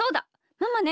ママね